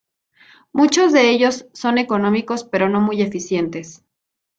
Muchos de ellos son económicos pero no muy eficientes.